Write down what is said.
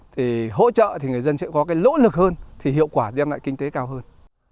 thì hỗ trợ thì người dân sẽ có cái lỗ lực hơn thì hiệu quả đem lại kinh tế cao hơn